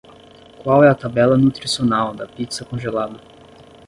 Qual é a tabela nutricional da pizza congelada?